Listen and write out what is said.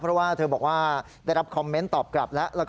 เจ้าหน้าที่บอกว่าทางวัดเนี่ยก็จริงไม่มีส่วนเกี่ยวข้องกับเหตุการณ์ดังกล่าวนะ